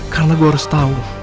karena gue harus tahu